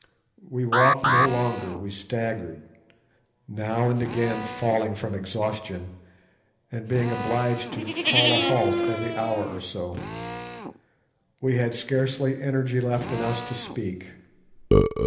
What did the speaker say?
We walked no longer, we staggered, now and again falling from exhaustion, and being obliged to call a halt every hour or so. We had scarcely energy left in us to speak.